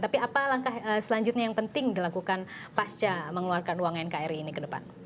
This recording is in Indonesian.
tapi apa langkah selanjutnya yang penting dilakukan pasca mengeluarkan uang nkri ini ke depan